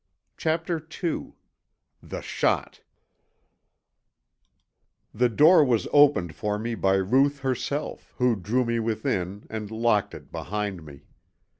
CHAPTER II THE SHOT The door was opened for me by Ruth herself, who drew me within, and locked it behind me.